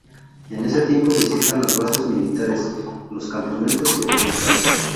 En ese tiempo visitan las bases militares, los campamentos y el hospital.